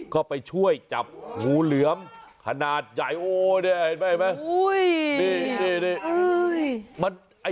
ก็ไปช่วยจับงูเหลือมขนาดใหญ่โอ้เนี่ยเห็นไหม